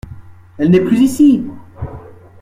Elle n’est plus ici…